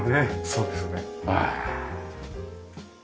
そうですね。